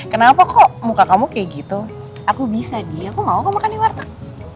kenapa kok muka kamu kayak gitu aku bisa deh aku gak mau kamu makan di warteg